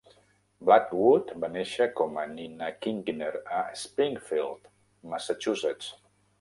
Blackwood va néixer com a Nina Kinckiner a Springfield, Massachusetts.